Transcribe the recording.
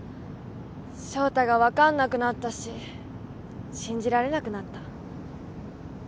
翔太が分かんなくなったし信じられなくなった。